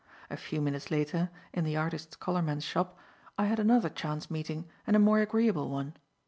A few minutes later, in the artist's colourman's shop, I had another chance meeting and a more agreeable one.